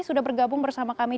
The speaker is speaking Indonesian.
sudah bergabung bersama kami